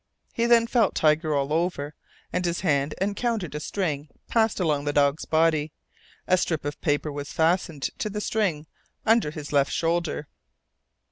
He then felt Tiger all over, and his hand encountered a string passed round the dog's body. A strip of paper was fastened to the string under his left shoulder.